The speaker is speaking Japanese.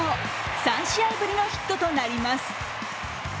３試合ぶりのヒットとなります。